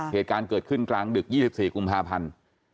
เหตุการณ์เกิดขึ้นกลางดึก๒๔กุมภาพันธ์